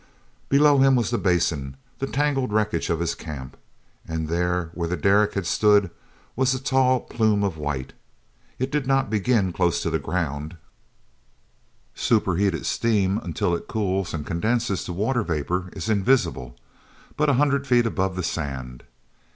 elow him was the Basin, the tangled wreckage of his camp. And there, where the derrick had stood, was a tall plume of white. It did not begin close to the ground—superheated steam, until it cools and condenses to water vapor, is invisible—but a hundred feet above the sand.